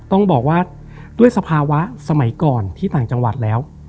ต้องบอกว่าด้วยสภาวะสมัยก่อนที่ต่างจังหวัดแล้ว